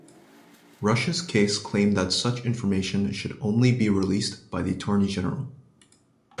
Rush's case claimed that such information should only be released by the Attorney-General.